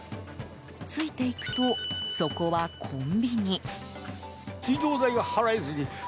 ついていくと、そこはコンビニ。